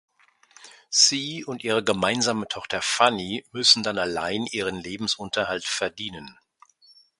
Sie und ihre gemeinsame Tochter Fanny müssen dann allein ihren Lebensunterhalt verdienen.